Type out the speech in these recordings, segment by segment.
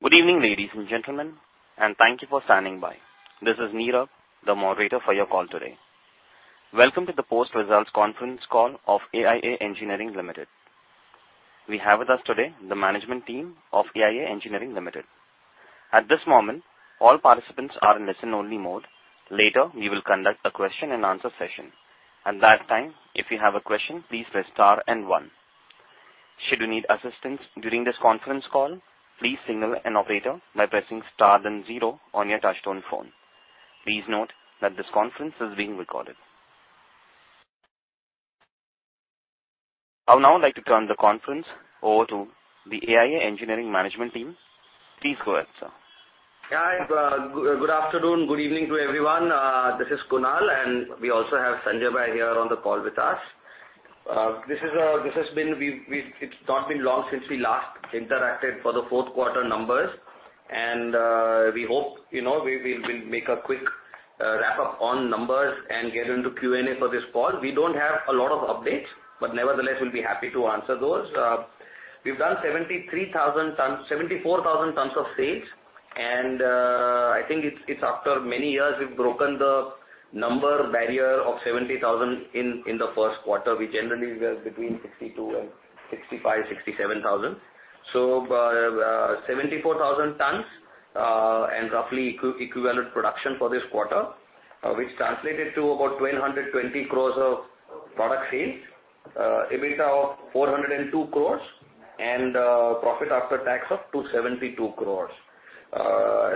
Good evening, ladies and gentlemen, and thank you for standing by. This is Neera, the moderator for your call today. Welcome to the post-results conference call of AIA Engineering Limited. We have with us today the management team of AIA Engineering Limited. At this moment, all participants are in listen-only mode. Later, we will conduct a question-and-answer session. At that time, if you have a question, please press star and one. Should you need assistance during this conference call, please signal an operator by pressing star, then zero on your touchtone phone. Please note that this conference is being recorded. I would now like to turn the conference over to the AIA Engineering management team. Please go ahead, sir. Hi, good, good afternoon, good evening to everyone. This is Kunal, and we also have Sanjay here on the call with us. We've-- It's not been long since we last interacted for the fourth quarter numbers, and we hope, you know, we'll make a quick wrap up on numbers and get into Q&A for this call. We don't have a lot of updates, but nevertheless, we'll be happy to answer those. We've done 73,000 tons, 74,000 tons of sales, and I think it's after many years, we've broken the number barrier of 70,000 in the first quarter. We generally were between 62,000 and 65,000, 67,000. 74,000 tons and roughly equivalent production for this quarter, which translated to about 220 croress of product sales, EBITDA of 402 croress and profit after tax of 272 croress.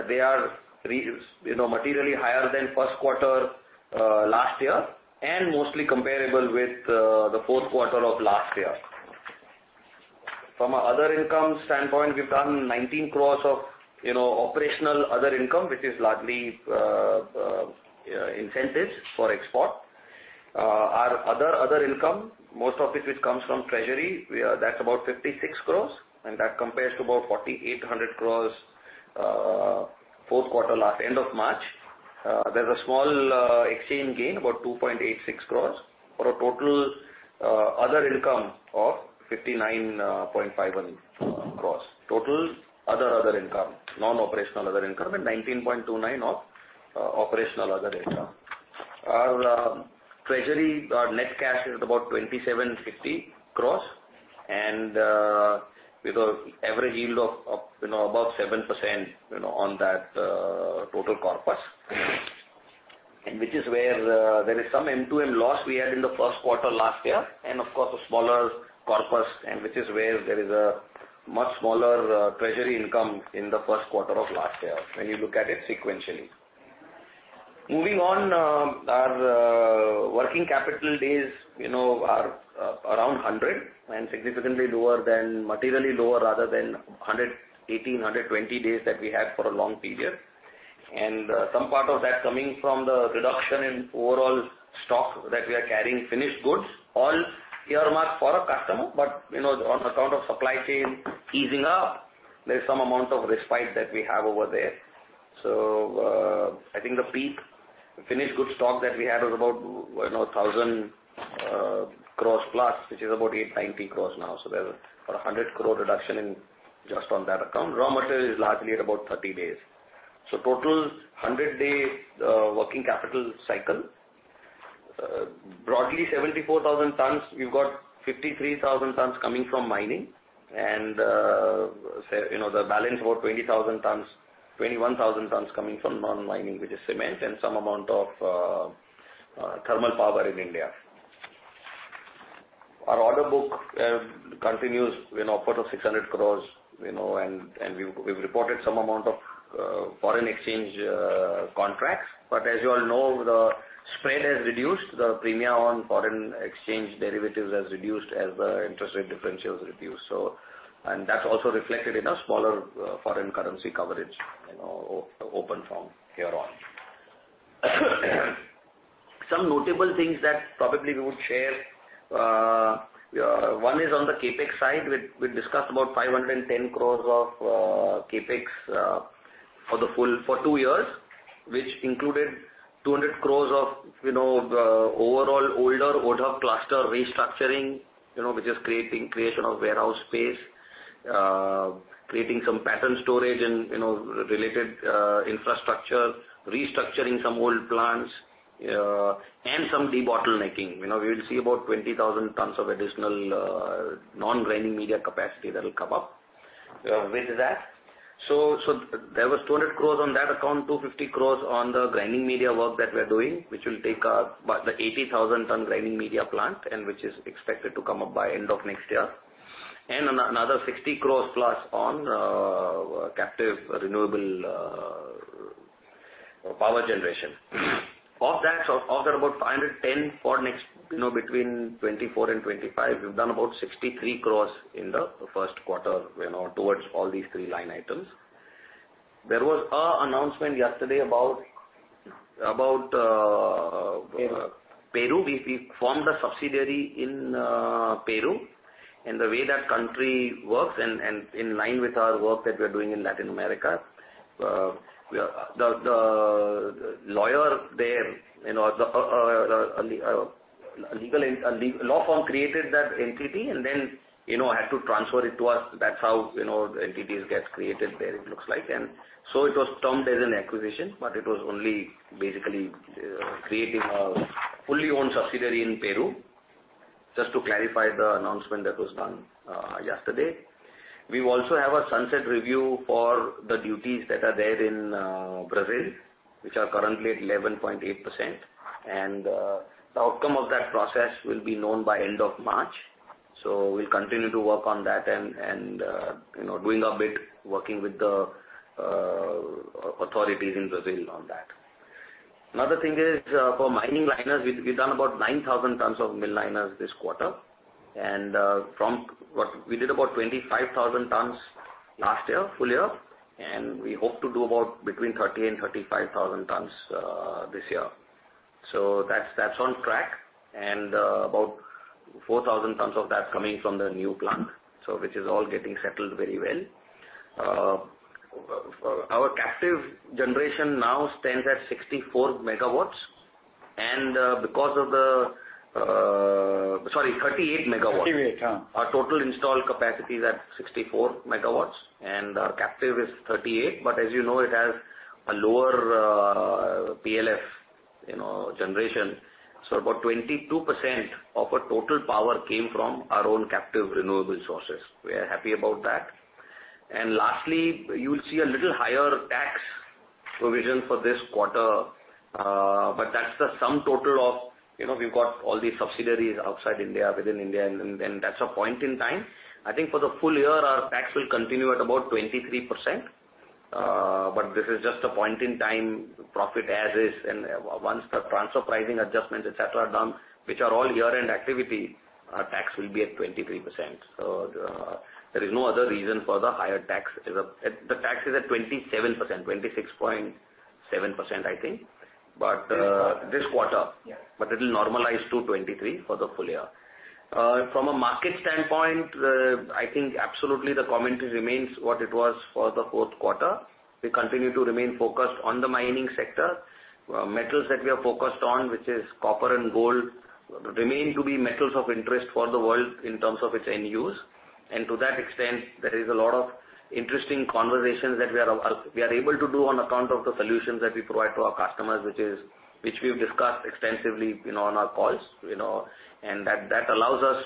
They are, you know, materially higher than first quarter last year, and mostly comparable with the fourth quarter of last year. From an other income standpoint, we've done 19 crores of, you know, operational other income, which is largely incentives for export. Our other, other income, most of which comes from treasury, that's about 56 crores, and that compares to about 4,800 crores, fourth quarter last end of March. There's a small exchange gain, about 2.86 crores, for a total other income of 59.51 crores. Total other, other income, non-operational other income, 19.29% of operational other income. Our treasury, our net cash is about 2,750 crores, with an average yield of, you know, about 7%, you know, on that total corpus. Which is where there is some M2M loss we had in the first quarter last year, and of course, a smaller corpus, and which is where there is a much smaller treasury income in the first quarter of last year, when you look at it sequentially. Moving on, our working capital days, you know, are around 100 and significantly lower than, materially lower, rather than 118, 120 days that we had for a long period. Some part of that coming from the reduction in overall stock that we are carrying finished goods, all earmarked for our customer. You know, on account of supply chain easing up, there's some amount of respite that we have over there. I think the peak finished goods stock that we had was about, you know, 1,000 crores+, which is about 890 crores now. There's about an 100 crores reduction in just on that account. Raw material is largely at about 30 days. Total 100-day working capital cycle. Broadly, 74,000 tons, we've got 53,000 tons coming from mining and, say, you know, the balance, about 20,000 tons, 21,000 tons coming from non-mining, which is cement and some amount of thermal power in India. Our order book, continues, you know, part of 600 crores, you know, and, and we've, we've reported some amount of, foreign exchange, contracts. As you all know, the spread has reduced, the premia on foreign exchange derivatives has reduced as the interest rate differentials reduce. That's also reflected in a smaller, foreign currency coverage, you know, open form here on. Some notable things that probably we would share, one is on the CapEx side. We, we discussed about 510 crores of, CapEx, for the full... for two years, which included 200 crores of, you know, the overall older Odhup cluster restructuring, you know, which is creating creation of warehouse space, creating some pattern storage and, you know, related, infrastructure, restructuring some old plants, and some debottlenecking. You know, we will see about 20,000 tons of additional non-grinding media capacity that will come up with that. There was 200 crores on that account, 250 crores on the grinding media work that we're doing, which will take about the 80,000 ton grinding media plant, which is expected to come up by end of 2025. Another 60 crores+ on captive renewable power generation. Of that, about 510 crores for next, you know, between 2024 and 2025, we've done about 63 crores in the first quarter, you know, towards all these three line items. There was a announcement yesterday about Peru. We formed a subsidiary in Peru, in the way that country works and in line with our work that we're doing in Latin America. The lawyer there, you know, a legal law firm created that entity, and then, you know, had to transfer it to us. That's how, you know, the entities get created there, it looks like. So it was termed as an acquisition, but it was only basically, creating a fully owned subsidiary in Peru. Just to clarify the announcement that was done yesterday. We also have a sunset review for the duties that are there in Brazil, which are currently at 11.8%, and the outcome of that process will be known by end of March. we'll continue to work on that and, and, you know, doing our bit, working with the authorities in Brazil on that. Another thing is, for mining liners, we've, we've done about 9,000 tons of mill liners this quarter. from what we did about 25,000 tons last year, full year, and we hope to do about between 30,000-35,000 tons this year. that's, that's on track. about 4,000 tons of that coming from the new plant, so which is all getting settled very well. Our captive generation now stands at 64 MW, and because of the... Sorry, 38 MW. 38, yeah. Our total installed capacity is at 64 MW, and our captive is 38 MW. As you know, it has a lower PLF, you know, generation. About 22% of our total power came from our own captive renewable sources. We are happy about that. Lastly, you will see a little higher tax provision for this quarter, but that's the sum total of, you know, we've got all these subsidiaries outside India, within India, and then that's a point in time. I think for the full year, our tax will continue at about 23%. This is just a point in time, profit as is, and once the transfer pricing adjustments, et cetera, are done, which are all year-end activity, our tax will be at 23%. There is no other reason for the higher tax. The tax is at 27%, 26.7%, I think. This quarter. It will normalize to 23% for the full year. From a market standpoint, I think absolutely the commentary remains what it was for the fourth quarter. We continue to remain focused on the mining sector. Metals that we are focused on, which is copper and gold, remain to be metals of interest for the world in terms of its end use. To that extent, there is a lot of interesting conversations that we are, we are able to do on account of the solutions that we provide to our customers, which we've discussed extensively, you know, on our calls, you know. That, that allows us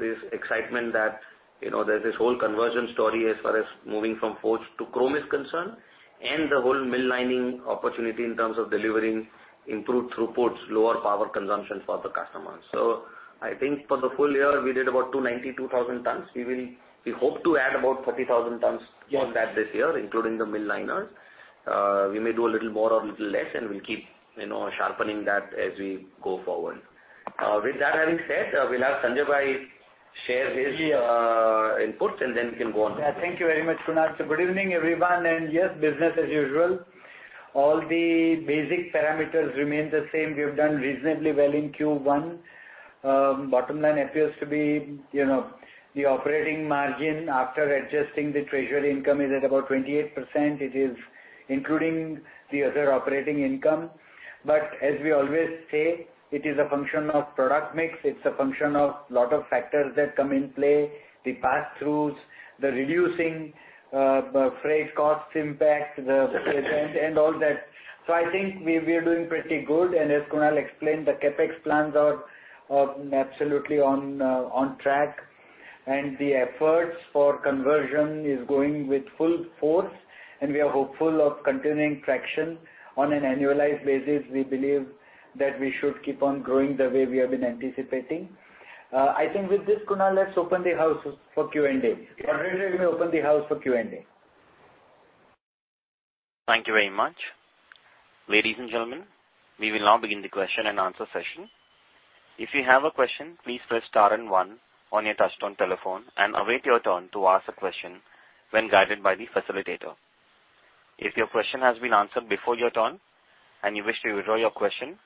this excitement that, you know, there's this whole conversion story as far as moving from forged to chrome is concerned, and the whole mill lining opportunity in terms of delivering improved throughputs, lower power consumption for the customers. I think for the full year, we did about 292,000 tons. We hope to add about 30,000 tons... Yes. -on that this year, including the mill liners. We may do a little more or a little less, and we'll keep, you know, sharpening that as we go forward. With that having said, we'll have Sanjay Majmudar share his input, and then we can go on. Yeah, thank you very much, Kunal. Good evening, everyone. Yes, business as usual. All the basic parameters remain the same. We have done reasonably well in Q1. Bottom line appears to be, you know, the operating margin, after adjusting the treasury income, is at about 28%. It is including the other operating income. As we always say, it is a function of product mix. It's a function of a lot of factors that come in play, the pass-throughs, the reducing freight costs impact, and all that. I think we, we are doing pretty good. As Kunal explained, the CapEx plans are absolutely on track, and the efforts for conversion is going with full force, and we are hopeful of continuing traction. On an annualized basis, we believe that we should keep on growing the way we have been anticipating. I think with this, Kunal, let's open the house for Q&A. Sure. We open the house for Q&A. Thank you very much. Ladies and gentlemen, we will now begin the question-and-answer session. If you have a question, please press star and one on your touchtone telephone and await your turn to ask a question when guided by the facilitator. If your question has been answered before your turn and you wish to withdraw your question,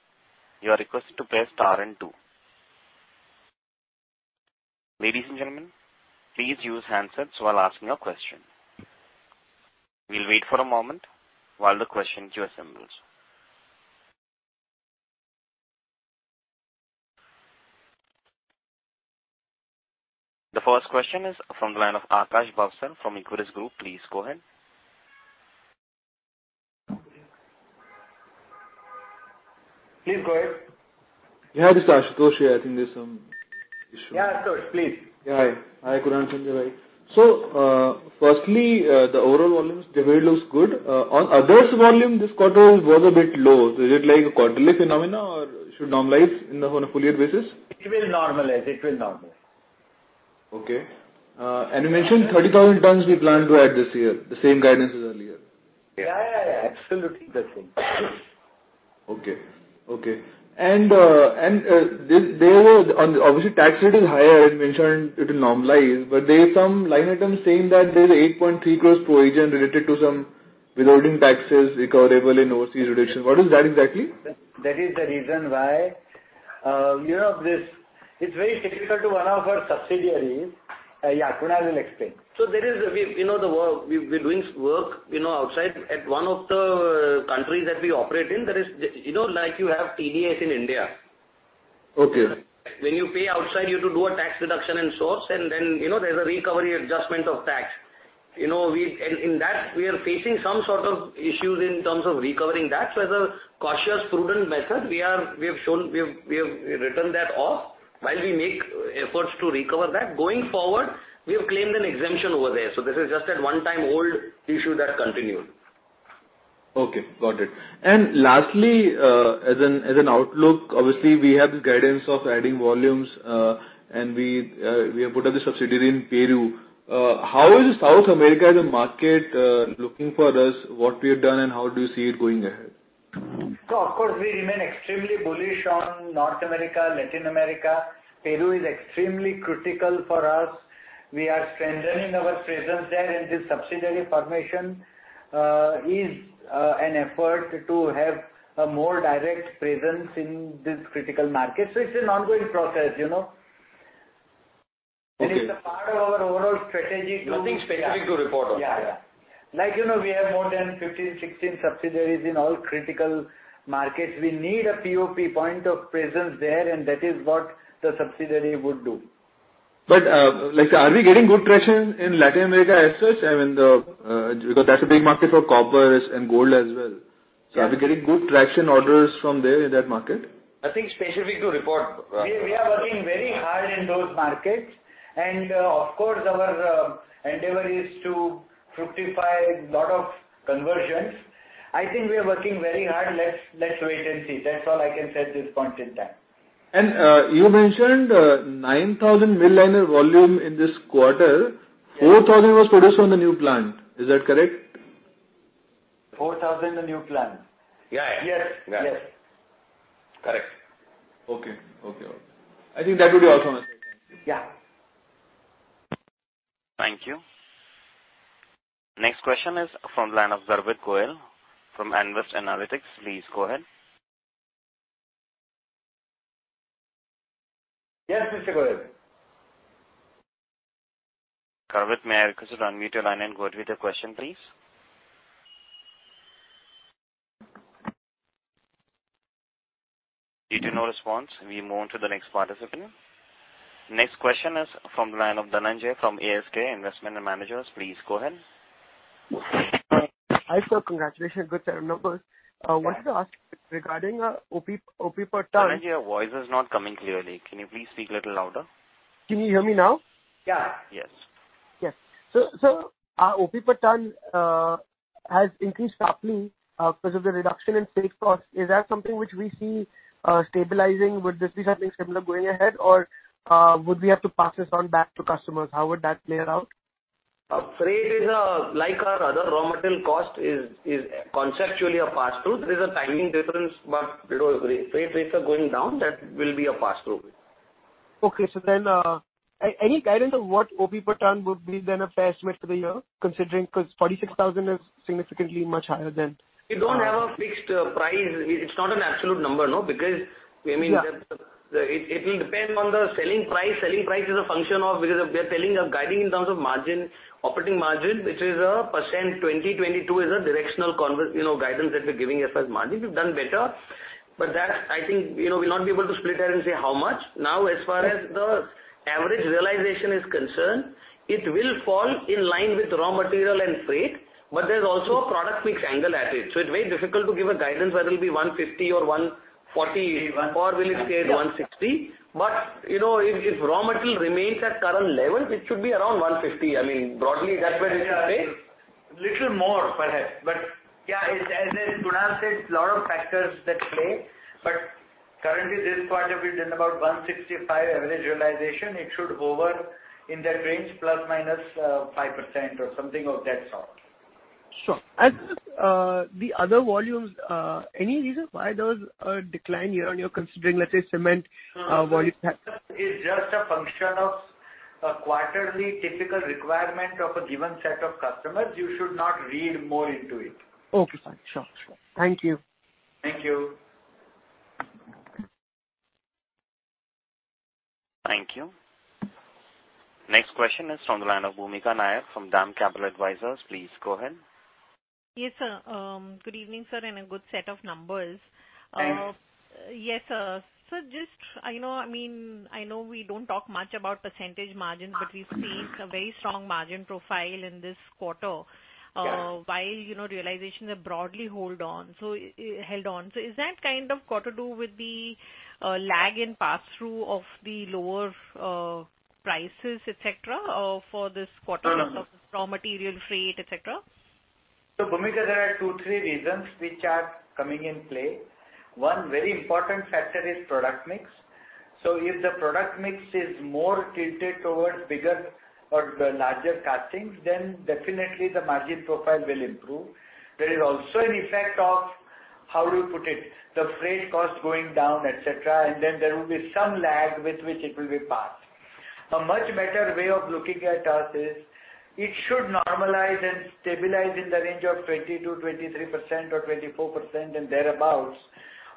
you are requested to press star and two. Ladies and gentlemen, please use handsets while asking your question. We'll wait for a moment while the question queue assembles. The first question is from the line of Aakash Bansal from Equirus Group. Please go ahead. Please go ahead. Yeah, this is Ashutosh. I think there's some issue. Yeah, sure. Please. Yeah. Hi, Kunal, Sanjay bhai. Firstly, the overall volumes, the volume looks good. On others volume, this quarter was a bit low. Is it like a quarterly phenomena or should normalize in the on a full year basis? It will normalize. It will normalize. Okay. You mentioned 30,000 tons we plan to add this year, the same guidance as earlier. Yeah, yeah, yeah, absolutely the same. Okay. Okay. On obviously, tax rate is higher. You mentioned it will normalize, but there's some line items saying that there's 8.3 crores provision related to some withholding taxes recoverable in overseas reductions. What is that exactly? That is the reason why, you know, this, it's very difficult to one of our subsidiaries. Yeah, Kunal will explain. There is, we, you know, the work, we, we're doing work, you know, outside. At one of the countries that we operate in, there is, you know, like you have TDS in India. Okay. When you pay outside, you have to do a tax deduction and source, and then, you know, there's a recovery adjustment of tax. You know, in that, we are facing some sort of issues in terms of recovering that. As a cautious, prudent measure, we have shown, we have written that off while we make efforts to recover that. Going forward, we have claimed an exemption over there, this is just that one-time old issue that continued. Okay, got it. Lastly, as an outlook, obviously, we have this guidance of adding volumes, and we have put up the subsidiary in Peru. How is South America as a market, looking for us, what we have done, and how do you see it going ahead? Of course, we remain extremely bullish on North America, Latin America. Peru is extremely critical for us. We are strengthening our presence there, and this subsidiary formation is an effort to have a more direct presence in this critical market. It's an ongoing process, you know? Okay. It's a part of our overall strategy to- Nothing specific to report on that. Yeah. Yeah. Like, you know, we have more than 15, 16 subsidiaries in all critical markets. We need a POP, point of presence there. That is what the subsidiary would do. Like, are we getting good traction in Latin America as such? I mean, because that's a big market for copper and gold as well. Are we getting good traction orders from there in that market? Nothing specific to report. We, we are working very hard in those markets, and, of course, our endeavor is to fructify a lot of conversions. I think we are working very hard. Let's, let's wait and see. That's all I can say at this point in time. You mentioned 9,000 mill liner volume in this quarter. Yes. 4,000 was produced on the new plant. Is that correct? 4,000, the new plant? Yeah. Yes. Yeah. Yes. Correct. Okay. Okay, okay. I think that would be also enough, thank you. Yeah. Thank you. Next question is from the line of Garvit Goel from Nvest Analytics. Please go ahead. Yes, Mr. Goel. Garvit, may I request you to unmute your line and go ahead with your question, please? Due to no response, we move on to the next participant. Next question is from the line of Dhananjai from ASK Investment Managers. Please go ahead. Hi, sir. Congratulations. Good set of numbers. Yeah. wanted to ask, regarding, OP, OP per ton. Dhananjay, your voice is not coming clearly. Can you please speak a little louder? Can you hear me now? Yeah. Yes. Yes. Our OP per ton has increased sharply because of the reduction in freight costs. Is that something which we see stabilizing? Would this be something similar going ahead, or, would we have to pass this on back to customers? How would that play out? Freight is, like our other raw material cost, is, is conceptually a pass-through. There is a timing difference, but, you know, freight rates are going down, that will be a pass-through. Okay. Then, any guidance on what OP per ton would be then a fair estimate for the year, considering, because 46,000 is significantly much higher than- We don't have a fixed price. It's not an absolute number, no. Because, I mean- Yeah. It will depend on the selling price. Selling price is a function of because we are selling, guiding in terms of margin, operating margin, which is a 20%-22% is a directional convert, you know, guidance that we're giving as far as margin. We've done better, that I think, you know, we'll not be able to split that and say how much. Now, as far as the average realization is concerned, it will fall in line with raw material and freight, there's also a product mix angle at it. It's very difficult to give a guidance, whether it be 150 or 140 or will it stay at 160. You know, if, if raw material remains at current levels, it should be around 150. I mean, broadly, that's where it will stay. Little more, perhaps. Yeah, as, as Kunal said, it's a lot of factors that play, but currently this quarter, we've done about 165 average realization. It should hover in that range, plus minus, 5% or something of that sort. Sure. As, the other volumes, any reason why there was a decline year-on-year, considering, let's say, cement, volume? It's just a function of a quarterly typical requirement of a given set of customers. You should not read more into it. Okay, sure. Sure. Thank you. Thank you. Thank you. Next question is from the line of Bhoomika Nair, from DAM Capital Advisors. Please go ahead. Yes, sir. Good evening, sir, and a good set of numbers. Thanks. Yes, sir. Just, I know, I mean, I know we don't talk much about percentage margins, but we've seen a very strong margin profile in this quarter. Yes. While, you know, realizations are broadly hold on, so, held on. Is that kind of got to do with the lag in pass-through of the lower prices, et cetera, for this quarter? Mm-hmm. Of raw material freight, et cetera? Bhumika, there are two, three reasons which are coming in play. One very important factor is product mix. If the product mix is more tilted towards bigger or the larger castings, then definitely the margin profile will improve. There is also an effect of, how do you put it, the freight cost going down, et cetera, and then there will be some lag with which it will be passed. A much better way of looking at us is, it should normalize and stabilize in the range of 20%-23% or 24% and thereabout,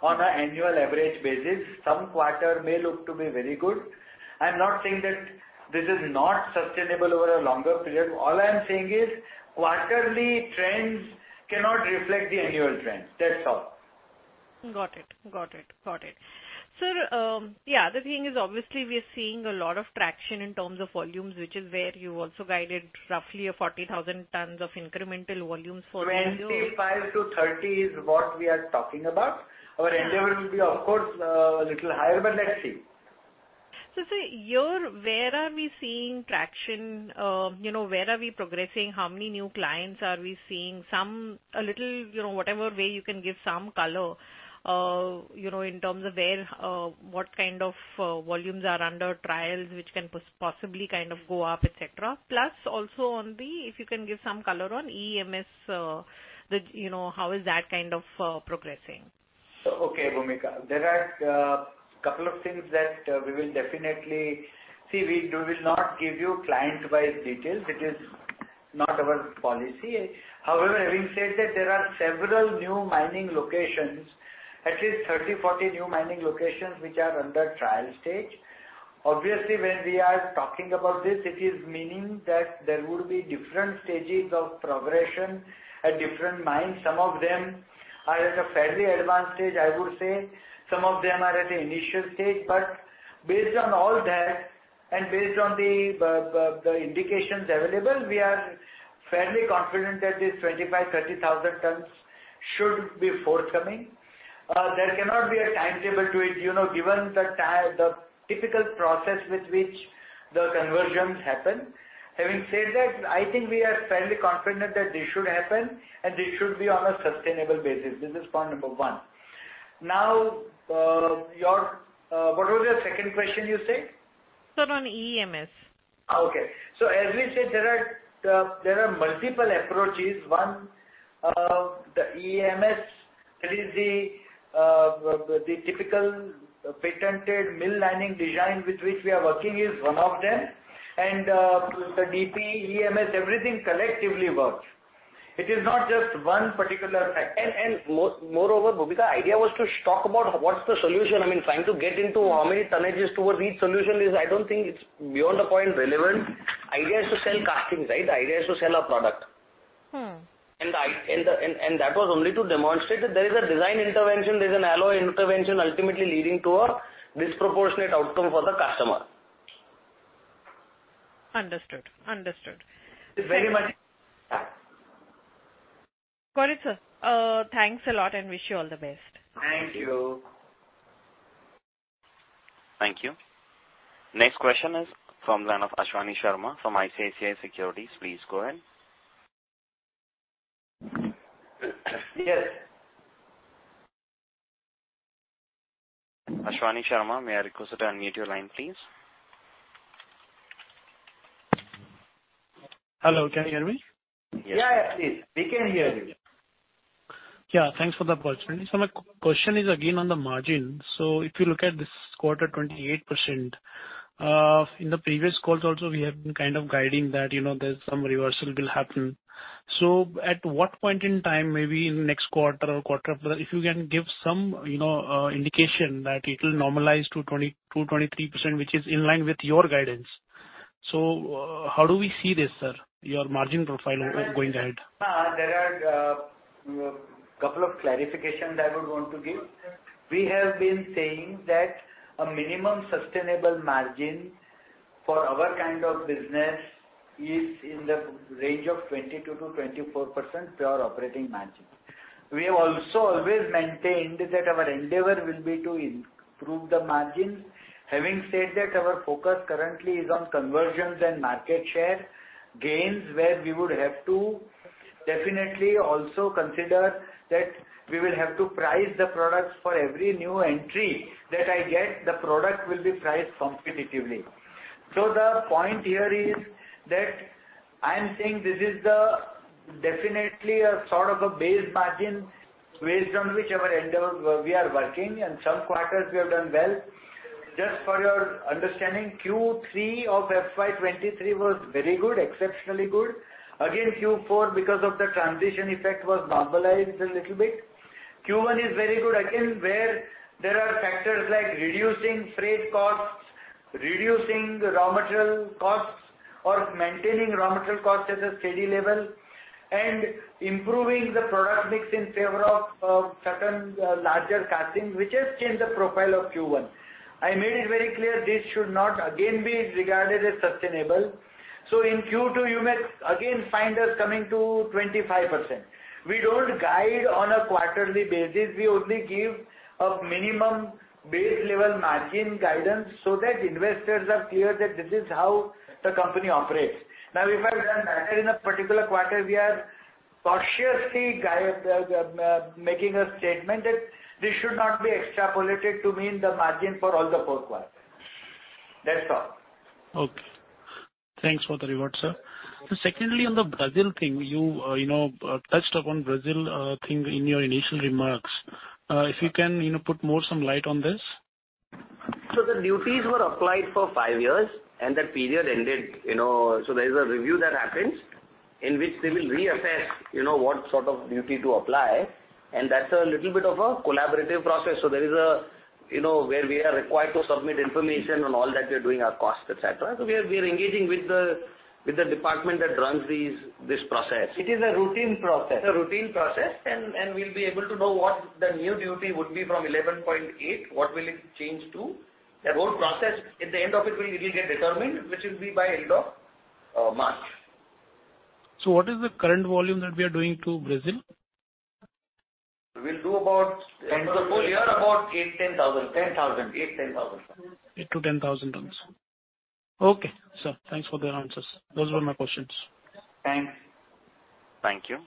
on an annual average basis. Some quarter may look to be very good. I'm not saying that this is not sustainable over a longer period. All I'm saying is, quarterly trends cannot reflect the annual trends. That's all. Got it. Got it. Got it. Sir, the other thing is obviously we are seeing a lot of traction in terms of volumes, which is where you also guided roughly a 40,000 tons of incremental volumes for the year. 25%-30% is what we are talking about. Our endeavor will be, of course, a little higher, but let's see. Sir, where are we seeing traction, you know, where are we progressing? How many new clients are we seeing? Some, a little, you know, whatever way you can give some color, you know, in terms of where, what kind of volumes are under trials, which can possibly kind of go up, et cetera. Plus, also on the... If you can give some color on EEMS, the, you know, how is that kind of progressing? Okay, Bhumika. There are a couple of things that we will definitely. See, we will not give you client-wise details. It is not our policy. However, having said that, there are several new mining locations, at least 30, 40 new mining locations, which are under trial stage. Obviously, when we are talking about this, it is meaning that there would be different stages of progression at different mines. Some of them are at a fairly advanced stage, I would say, some of them are at the initial stage. Based on all that, and based on the indications available, we are fairly confident that this 25,000, 30,000 tons should be forthcoming. There cannot be a timetable to it, you know, given the difficult process with which the conversions happen. Having said that, I think we are fairly confident that this should happen, and this should be on a sustainable basis. This is point number one. Now, your, what was your second question, you say? Sir, on EEMS. Okay. As we said, there are multiple approaches. One, the EEMS, that is the typical patented mill lining design with which we are working is one of them, and the DP EMS, everything collectively works. It is not just one particular factor. Moreover, Bhoomika, idea was to talk about what's the solution. I mean, trying to get into how many tonnages towards each solution is, I don't think it's beyond the point relevant. Idea is to sell casting, right? The idea is to sell our product. Mm-hmm. That was only to demonstrate that there is a design intervention, there's an alloy intervention, ultimately leading to a disproportionate outcome for the customer. Understood. Understood. Very much. Got it, sir. Thanks a lot, and wish you all the best. Thank you. Thank you. Next question is from line of Ashwani Sharma from ICICI Securities. Please go ahead. Yes. Ashwani Sharma, may I request you to unmute your line, please? Hello, can you hear me? Yeah, yeah, please. We can hear you. Yeah, thanks for the opportunity. My question is again on the margin. If you look at this quarter, 28%, in the previous calls also, we have been kind of guiding that, you know, there's some reversal will happen. At what point in time, maybe in next quarter or quarter, if you can give some, you know, indication that it will normalize to 22%-23%, which is in line with your guidance. How do we see this, sir, your margin profile going ahead? There are, couple of clarifications I would want to give. We have been saying that a minimum sustainable margin for our kind of business is in the range of 22%-24% pure operating margin. We have also always maintained that our endeavor will be to improve the margins. Having said that, our focus currently is on conversions and market share gains, where we would have to definitely also consider that we will have to price the products for every new entry that I get, the product will be priced competitively. So the point here is that I am saying this is the definitely a sort of a base margin based on which our endeavors we are working, and some quarters we have done well. Just for your understanding, Q3 of FY 2023 was very good, exceptionally good. Q4, because of the transition effect, was normalized a little bit. Q1 is very good. Where there are factors like reducing freight costs, reducing raw material costs, or maintaining raw material costs at a steady level, and improving the product mix in favor of certain larger castings, which has changed the profile of Q1. I made it very clear this should not again be regarded as sustainable. In Q2, you may again find us coming to 25%. We don't guide on a quarterly basis, we only give a minimum base-level margin guidance so that investors are clear that this is how the company operates. If I've done better in a particular quarter, we are cautiously guide making a statement that this should not be extrapolated to mean the margin for all the four quarters. That's all. Okay. Thanks for the revert, sir. Secondly, on the Brazil thing, you, you know, touched upon Brazil, thing in your initial remarks. If you can, you know, put more some light on this? The duties were applied for five years, and that period ended, you know, so there is a review that happens in which they will reassess, you know, what sort of duty to apply, and that's a little bit of a collaborative process. There is a, you know, where we are required to submit information on all that we are doing, our costs, et cetera. We are, we are engaging with the, with the department that runs these, this process. It is a routine process. It's a routine process, and we'll be able to know what the new duty would be from 11.8%, what will it change to? The whole process, at the end of it, will, it will get determined, which will be by end of March. What is the current volume that we are doing to Brazil? We'll do about 10,000. full year, about 8,000-10,000. 10,000, 8,000-10,000. 8,000-10,000 tons. Okay, sir, thanks for the answers. Those were my questions. Thanks. Thank you.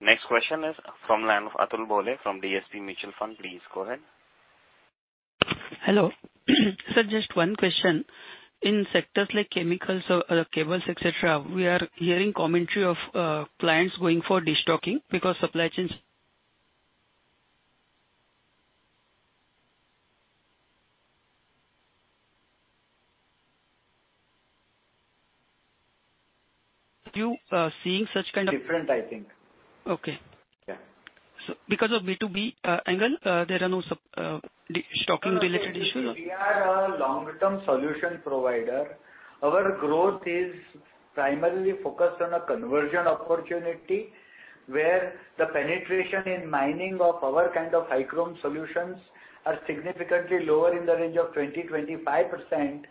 Next question is from line of Atul Bhole, from DSP Mutual Fund. Please go ahead. Hello. Sir, just one question. In sectors like chemicals or cables, et cetera, we are hearing commentary of clients going for destocking because supply chains... Are you seeing such kind of- Different, I think. Okay. Yeah. Because of B2B angle, there are no sub, de-stocking related issues? We are a long-term solution provider. Our growth is primarily focused on a conversion opportunity, where the penetration in mining of our kind of high chrome solutions are significantly lower in the range of 20%-25%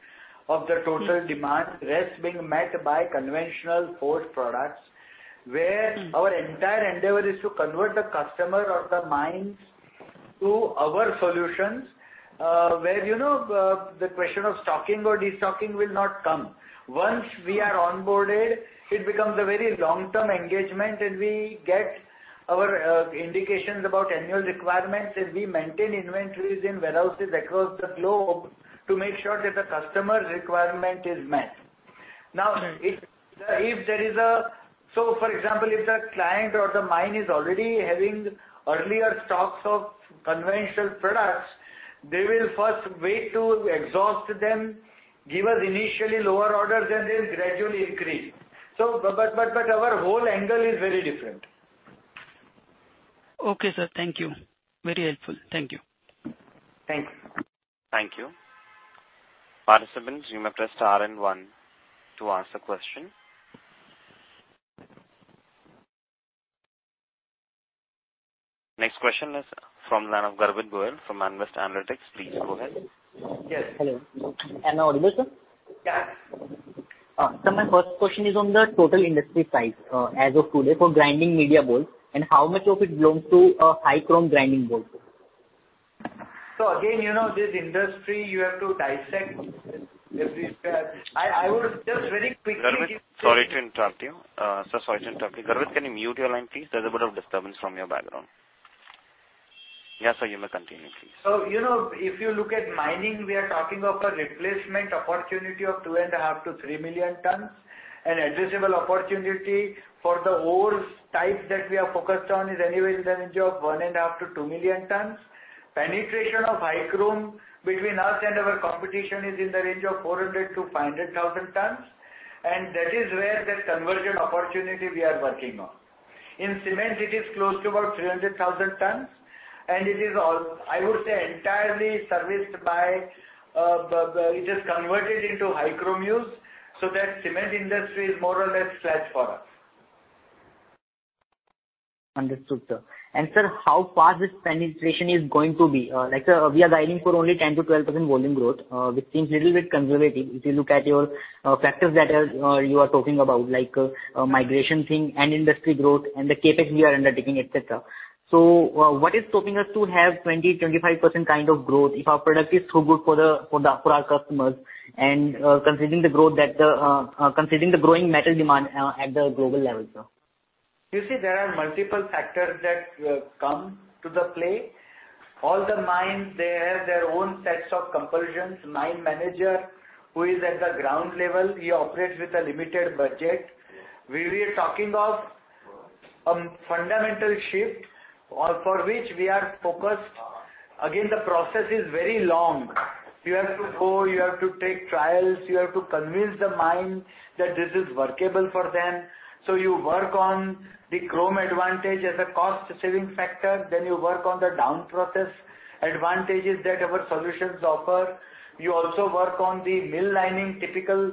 of the total demand, rest being met by conventional port products, where our entire endeavor is to convert the customer or the mines to our solutions, where, you know, the question of stocking or destocking will not come. Once we are onboarded, it becomes a very long-term engagement, and we get our indications about annual requirements, and we maintain inventories in warehouses across the globe to make sure that the customer's requirement is met. If, if there is for example, if the client or the mine is already having earlier stocks of conventional products, they will first wait to exhaust them, give us initially lower orders, and then gradually increase. But, but our whole angle is very different. Okay, sir. Thank you. Very helpful. Thank you. Thanks. Thank you. Participants, you may press star and one to ask a question. Next question is from line of Garvit Goel from Nvest Analytics. Please go ahead. Yes. Hello. Am I audible, sir? Yeah. My first question is on the total industry size, as of today, for grinding media balls, and how much of it belongs to high chrome grinding balls? Again, you know, this industry, you have to dissect every... I, I would just very quickly. Garvit, sorry to interrupt you. Sir, sorry to interrupt you. Garvit, can you mute your line, please? There's a bit of disturbance from your background. Yeah, sir, you may continue, please. You know, if you look at mining, we are talking of a replacement opportunity of 2.5 million-3 million tonnes. Addressable opportunity for the ores types that we are focused on is anyways in the range of 1.5 million-2 million tonnes. Penetration of high chrome between us and our competition is in the range of 400,000-500,000 tonnes, and that is where the conversion opportunity we are working on. In cement, it is close to about 300,000 tonnes, and it is all... I would say, entirely serviced by, it is converted into high chrome use, so that cement industry is more or less flat for us. Understood, sir. How far this penetration is going to be? Like, sir, we are guiding for only 10%-12% volume growth, which seems little bit conservative. If you look at your factors that are you are talking about, like migration thing and industry growth and the CapEx we are undertaking, et cetera. So what is stopping us to have 20%-25% kind of growth if our product is so good for the, for the, for our customers, and considering the growth that considering the growing metal demand at the global level, sir? You see, there are multiple factors that come to the play. All the mines, they have their own sets of compulsions. Mine manager, who is at the ground level, he operates with a limited budget. We, we are talking of a fundamental shift for which we are focused. The process is very long. You have to go, you have to take trials, you have to convince the mine that this Aries is workable for them. You work on the chrome advantage as a cost-saving factor, then you work on the down process advantages that our solutions offer. You also work on the mill lining, typical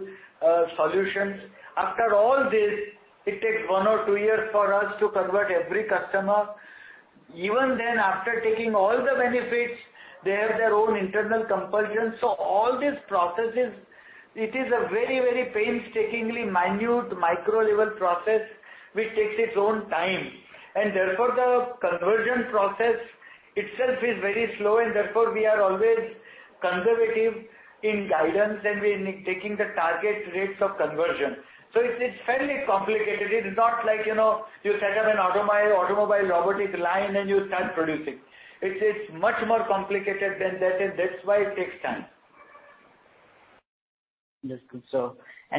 solutions. After all this, it takes one or two years for us to convert every customer. Even then, after taking all the benefits, they have their own internal compulsions. All these processes, it is a very, very painstakingly minute, micro-level process, which takes its own time, and therefore, the conversion process itself is very slow, and therefore, we are always conservative in guidance, and we're taking the target rates of conversion. It's, it's fairly complicated. It's not like, you know, you set up an automobile robotic line, and you start producing. It's, it's much more complicated than that, and that's why it takes time.... Yes, good, sir.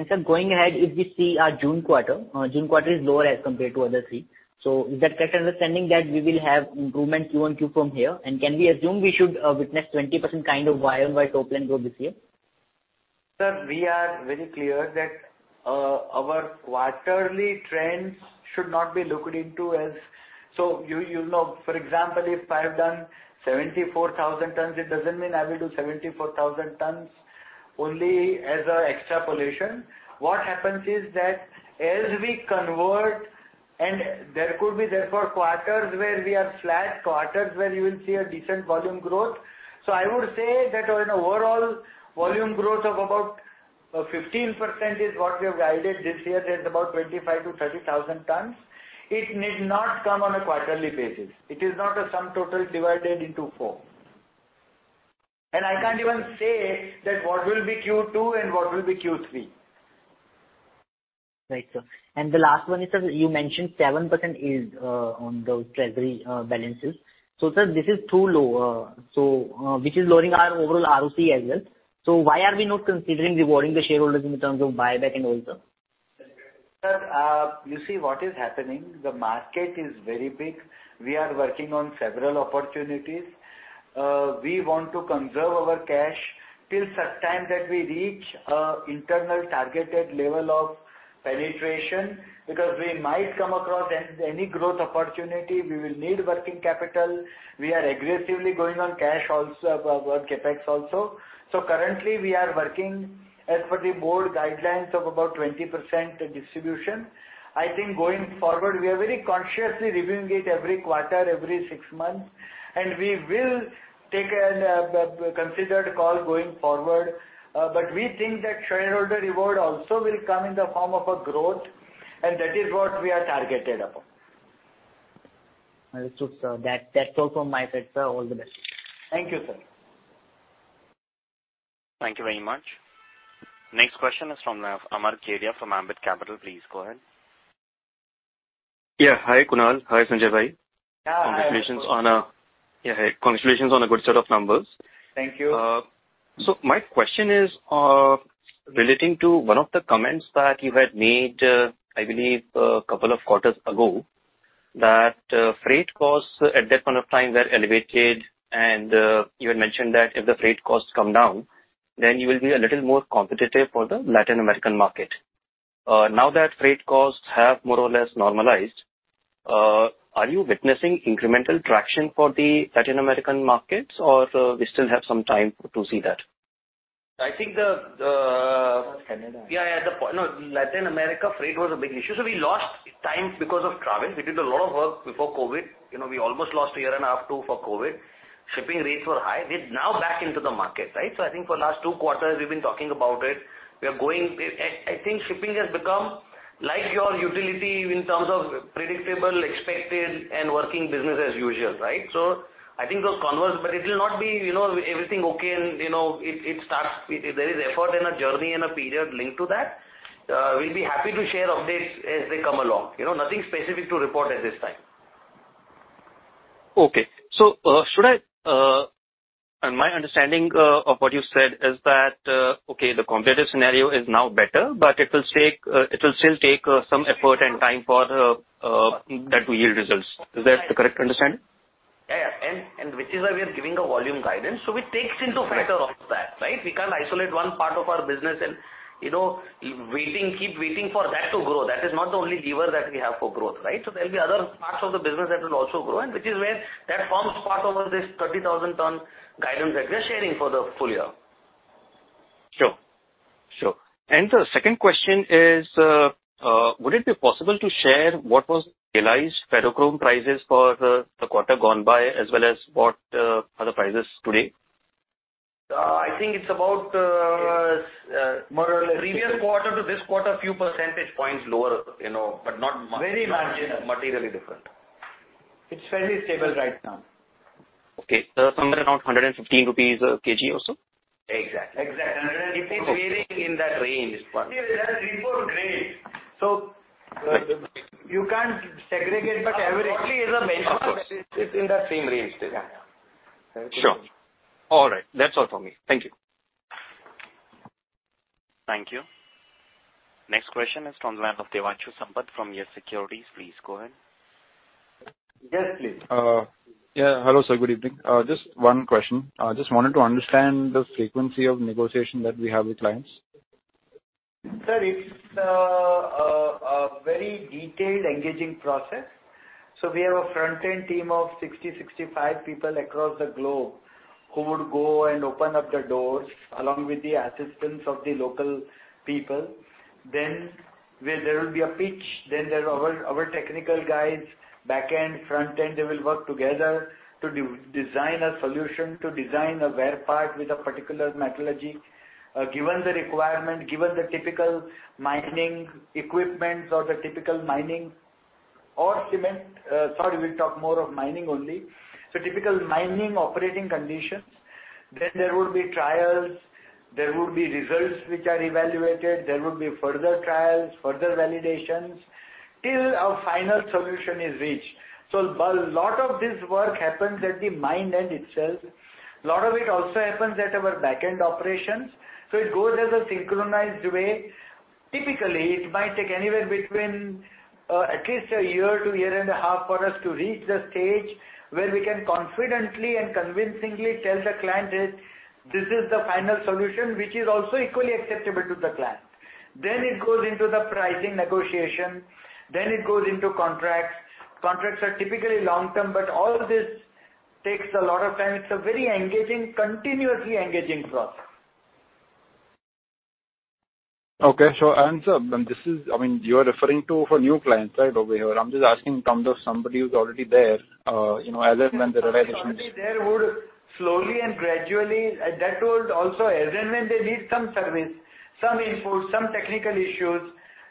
Sir, going ahead, if we see our June quarter, June quarter is lower as compared to other three. Is that correct understanding that we will have improvement Q1Q from here? Can we assume we should witness 20% kind of YOY top line growth this year? Sir, we are very clear that our quarterly trends should not be looked into. You know, for example, if I've done 74,000 tons, it doesn't mean I will do 74,000 tons only as an extrapolation. What happens is that as we convert, and there could be therefore quarters where we are flat, quarters where you will see a decent volume growth. I would say that an overall volume growth of about 15% is what we have guided this year. That's about 25,000-30,000 tons. It need not come on a quarterly basis. It is not a sum total divided into 4. I can't even say that what will be Q2 and what will be Q3. Right, sir. The last one is, sir, you mentioned 7% is on the treasury balances. Sir, this is too low, so which is lowering our overall ROC as well. Why are we not considering rewarding the shareholders in terms of buyback and all, sir? Sir, you see, what is happening, the market is very big. We are working on several opportunities. We want to conserve our cash till such time that we reach a internal targeted level of penetration, because we might come across any growth opportunity, we will need working capital. We are aggressively going on cash also, work CapEx also. Currently, we are working as per the board guidelines of about 20% distribution. I think going forward, we are very consciously reviewing it every quarter, every six months, and we will take a considered call going forward. We think that shareholder reward also will come in the form of a growth, and that is what we are targeted upon. Understood, sir. That's also my take, sir. All the best. Thank you, sir. Thank you very much. Next question is from Amar Kedia from Ambit Capital. Please go ahead. Yeah. Hi, Kunal. Hi, Sanjay Bhai. Yeah, hi. Yeah, hey, congratulations on a good set of numbers. Thank you. My question is relating to one of the comments that you had made, I believe, a couple of quarters ago, that freight costs at that point of time were elevated. You had mentioned that if the freight costs come down, then you will be a little more competitive for the Latin American market. Now that freight costs have more or less normalized, are you witnessing incremental traction for the Latin American markets, or we still have some time to see that? I think the. That's Canada. Yeah, at the point Latin America, freight was a big issue. We lost time because of travel. We did a lot of work before COVID. You know, we almost lost a year and a half, two, for COVID. Shipping rates were high. We're now back into the market, right? I think for the last 2 quarters, we've been talking about it. We are going... I think shipping has become like your utility in terms of predictable, expected, and working business as usual, right? I think those converse, it will not be, you know, everything okay. There is effort and a journey and a period linked to that. We'll be happy to share updates as they come along. You know, nothing specific to report at this time. Okay. Should I... My understanding of what you said is that, okay, the competitive scenario is now better, but it will take, it will still take, some effort and time for, that to yield results. Is that the correct understanding? Yeah, yeah. And which is why we are giving a volume guidance. We take into factor all of that, right? We can't isolate one part of our business and, you know, waiting, keep waiting for that to grow. That is not the only lever that we have for growth, right? There will be other parts of the business that will also grow, and which is where that forms part of this 30,000 ton guidance that we're sharing for the full year. Sure. Sure. The second question is, would it be possible to share what was realized ferrochrome prices for the, the quarter gone by, as well as what, are the prices today? I think it's about. More or less. Previous quarter to this quarter, few percentage points lower, you know, but not much- Very marginal. Materially different. It's fairly stable right now. Okay. Somewhere around 115 rupees kg or so? Exactly. Exactly. It is varying in that range. Yeah, there are three, four grades. You can't segregate, averages. Roughly is a benchmark. It's in that same range today. Sure. All right. That's all for me. Thank you. Thank you. Next question is from the line of Dhiral Shah from YES Securities. Please go ahead. Yes, please. Yeah. Hello, sir, good evening. Just one question. I just wanted to understand the frequency of negotiation that we have with clients. Sir, it's, a, a very detailed engaging process. We have a front-end team of 60-65 people across the globe who would go and open up the doors along with the assistance of the local people. Then there will be a pitch, then there's our, our technical guys, back end, front end, they will work together to design a solution, to design a wear part with a particular metallurgy, given the requirement, given the typical mining equipment or the typical mining or cement. Sorry, we'll talk more of mining only. Typical mining operating conditions. Then there will be trials, there will be results which are evaluated, there will be further trials, further validations... till a final solution is reached. A lot of this work happens at the mine end itself. A lot of it also happens at our back-end operations, so it goes as a synchronized way. Typically, it might take anywhere between, at least a year to a year and a half for us to reach the stage where we can confidently and convincingly tell the client that this is the final solution, which is also equally acceptable to the client. It goes into the pricing negotiation, then it goes into contracts. Contracts are typically long-term, but all this takes a lot of time. It's a very engaging, continuously engaging process. Okay, so and, this is I mean, you are referring to for new clients, right, over here? I'm just asking in terms of somebody who's already there, you know, as and when the realization- There would slowly and gradually, and that would also as and when they need some service, some input, some technical issues,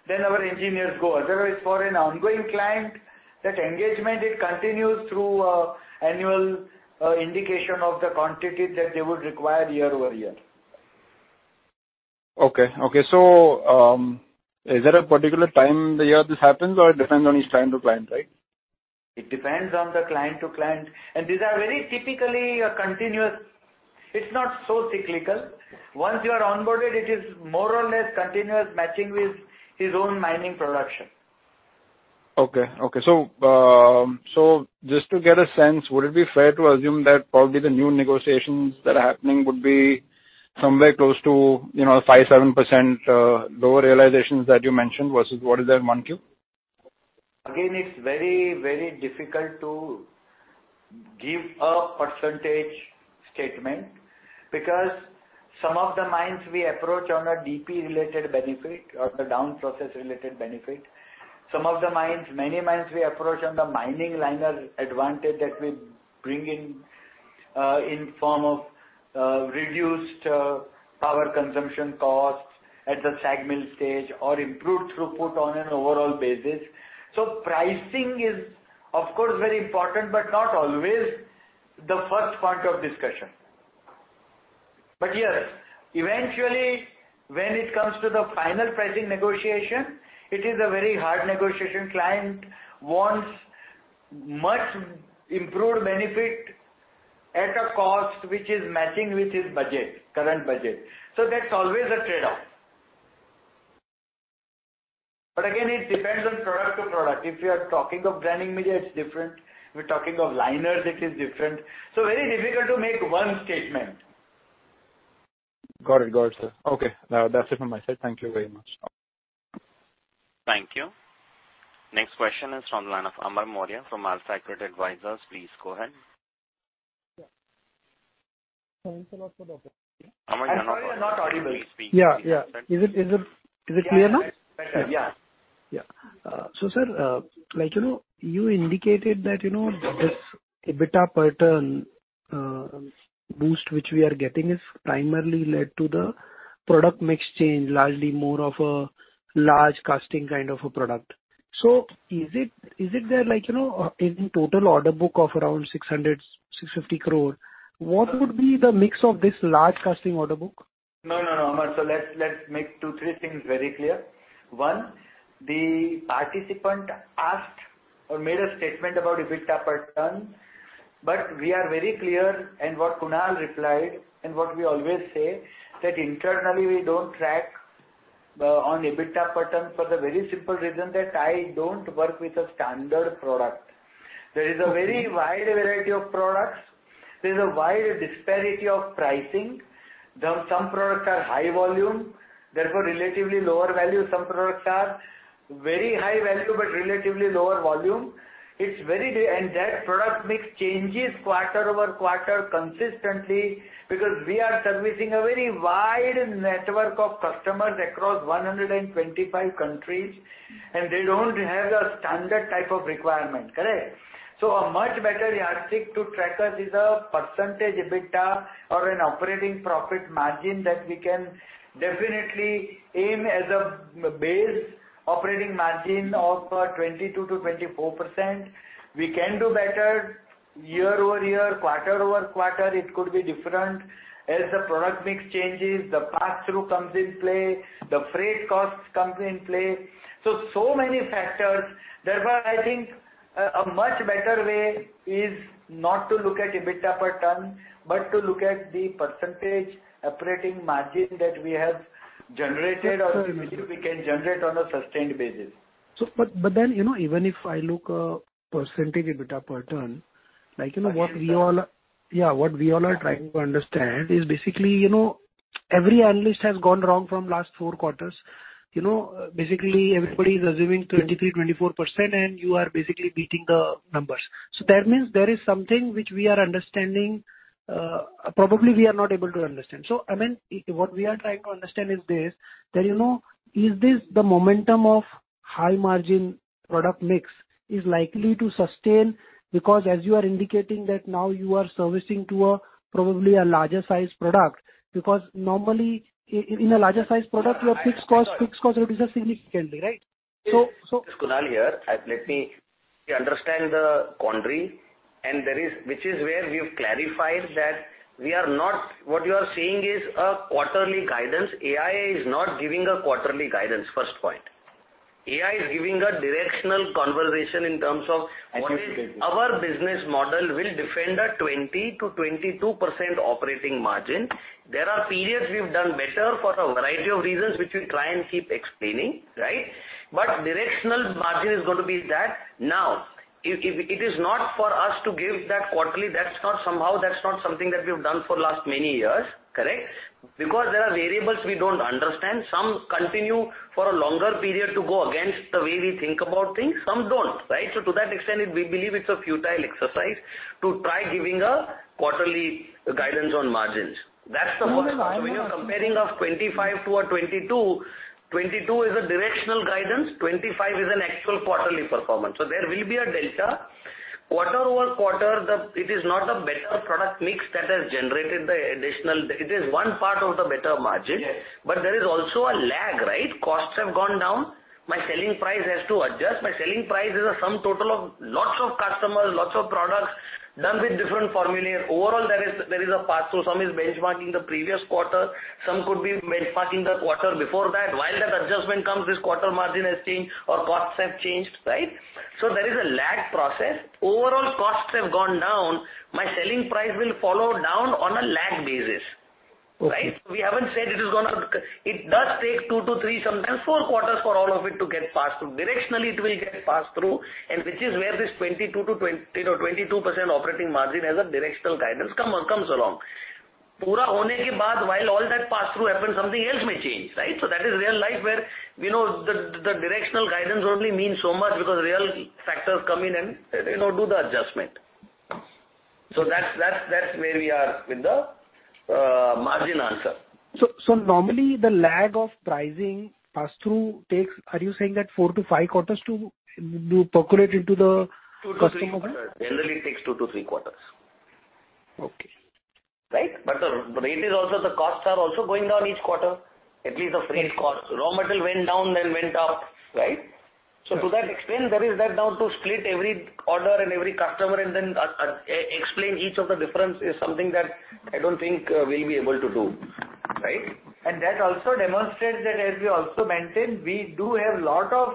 then our engineers go. Otherwise, for an ongoing client, that engagement it continues through, annual, indication of the quantity that they would require year over year. Okay, okay. Is there a particular time of the year this happens, or it depends on each client to client, right? It depends on the client to client, and these are very typically a continuous. It's not so cyclical. Once you are onboarded, it is more or less continuous matching with his own mining production. Okay, okay. So just to get a sense, would it be fair to assume that probably the new negotiations that are happening would be somewhere close to, you know, 5%-7% lower realizations that you mentioned versus what is there in 1Q? Again, it's very, very difficult to give a % statement because some of the mines we approach on a DP-related benefit or the down process-related benefit. Some of the mines, many mines we approach on the mill liner advantage that we bring in in form of reduced power consumption costs at the segment stage or improved throughput on an overall basis. Pricing is, of course, very important, but not always the first part of discussion. Yes, eventually, when it comes to the final pricing negotiation, it is a very hard negotiation. Client wants much improved benefit at a cost which is matching with his budget, current budget. That's always a trade-off. Again, it depends on product to product. If you are talking of grinding media, it's different. If we're talking of liners, it is different. Very difficult to make one statement. Got it. Got it, sir. Okay, that's it from my side. Thank you very much. Thank you. Next question is from the line of Amar Mourya, from Alphega Credit Advisors. Please go ahead. Thanks a lot for the opportunity. Amar, you are not audible. Yeah, yeah. Is it, is it clear now? Yeah. Yeah. Sir, like, you know, you indicated that, you know, this EBITDA per ton boost, which we are getting, is primarily led to the product mix change, largely more of a large casting kind of a product. Is it, is it there, like, you know, in total order book of around 600 crores-650 crores, what would be the mix of this large casting order book? No, no, no, Amar. Let's, let's make two, three things very clear. One, the participant asked or made a statement about EBITDA per ton, but we are very clear and what Kunal replied, and what we always say, that internally, we don't track on EBITDA per ton for the very simple reason that I don't work with a standard product. There is a very wide variety of products. There's a wide disparity of pricing. Some products are high volume, therefore relatively lower value. Some products are very high value, but relatively lower volume. It's very-- That product mix changes quarter over quarter consistently because we are servicing a very wide network of customers across 125 countries, and they don't have a standard type of requirement. Correct? A much better yardstick to track us is a percentage EBITDA or an operating profit margin that we can definitely aim as a base operating margin of 22%-24%. We can do better year-over-year, quarter-over-quarter, it could be different. As the product mix changes, the passthrough comes in play, the freight cost comes in play. Many factors. Therefore, I think a much better way is not to look at EBITDA per ton, but to look at the percentage operating margin that we have generated or which we can generate on a sustained basis. you know, even if I look, percentage EBITDA per ton, like, you know, what we all are... I see. Yeah, what we all are trying to understand is basically, you know, every analyst has gone wrong from last 4 quarters. You know, basically, everybody is assuming 23%-24%, and you are basically beating the numbers. That means there is something which we are understanding, probably we are not able to understand. I mean, what we are trying to understand is this, that you know, is this the momentum of high-margin product mix is likely to sustain? Because as you are indicating that now you are servicing to a probably a larger size product, because normally in a larger size product, your fixed cost, fixed costs reduces significantly, right? Kunal here, let me.. We understand the quandary and there is, which is where we've clarified that we are not. What you are saying is a quarterly guidance. AIA is not giving a quarterly guidance, first point. AIA is giving a directional conversation in terms of what our business model will defend a 20% to 22% operating margin. There are periods we've done better for a variety of reasons, which we try and keep explaining, right? Directional margin is going to be that. Now, it is not for us to give that quarterly. That's not somehow, that's not something that we've done for last many years, correct? There are variables we don't understand. Some continue for a longer period to go against the way we think about things, some don't, right? To that extent, we believe it's a futile exercise to try giving a quarterly guidance on margins. That's the first part. When you're comparing of 25 to a 22, 22 is a directional guidance, 25 is an actual quarterly performance. There will be a delta. Quarter-over-quarter, it is not a better product mix that has generated the additional. It is 1 part of the better margin- Yes. There is also a lag, right? Costs have gone down. My selling price has to adjust. My selling price is a sum total of lots of customers, lots of products, done with different formulae. Overall, there is a pass-through. Some is benchmarking the previous quarter, some could be benchmarking the quarter before that. While that adjustment comes, this quarter margin has changed or costs have changed, right? There is a lag process. Overall, costs have gone down. My selling price will follow down on a lag basis, right? Okay. We haven't said it is going to. It does take two to three, sometimes four quarters for all of it to get passed through. Directionally, it will get passed through, which is where this 22% to 20% or 22% operating margin as a directional guidance comes along. While all that pass-through happens, something else may change, right? That is real life, where we know the directional guidance only means so much because real factors come in and, you know, do the adjustment. That's where we are with the margin answer. So normally the lag of pricing pass-through takes, are you saying that four to five quarters to percolate into the customer? Generally, it takes two to three quarters. Okay. Right? The rate is also, the costs are also going down each quarter, at least the freight costs. Raw material went down, then went up, right? Yes. To that extent, there is that now to split every order and every customer and then explain each of the difference is something that I don't think we'll be able to do, right? That also demonstrates that, as we also mentioned, we do have a lot of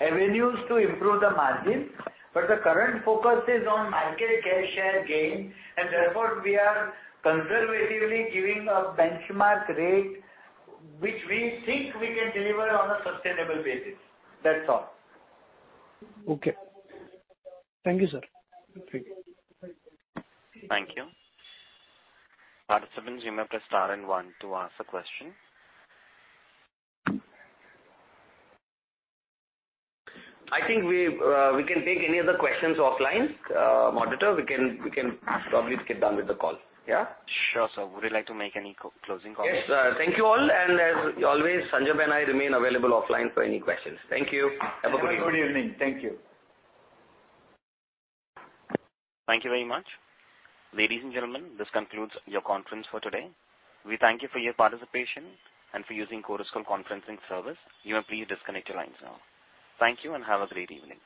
avenues to improve the margin, but the current focus is on market share gain, and therefore, we are conservatively giving a benchmark rate, which we think we can deliver on a sustainable basis. That's all. Okay. Thank you, sir. Thank you. Thank you. Participants, you may press star and one to ask a question. I think we, we can take any other questions offline. Moderator, we can, we can probably get done with the call. Yeah? Sure, sir. Would you like to make any co-closing comments? Yes. Thank you all. As always, Sanjay and I remain available offline for any questions. Thank you. Have a good evening. Have a good evening. Thank you. Thank you very much. Ladies and gentlemen, this concludes your conference for today. We thank you for your participation and for using Chorus Call Conferencing Service. You may please disconnect your lines now. Thank you and have a great evening.